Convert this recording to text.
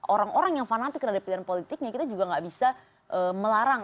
orang orang yang fanatik terhadap pilihan politiknya kita juga nggak bisa melarang